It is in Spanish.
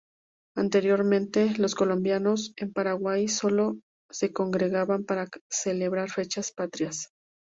Anteriormente, los colombianos en Paraguay sólo se congregaban para celebrar fechas patrias.